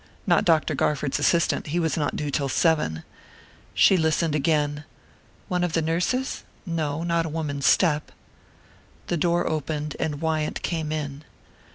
Not Dr. Garford's assistant he was not due till seven. She listened again.... One of the nurses? No, not a woman's step The door opened, and Wyant came in.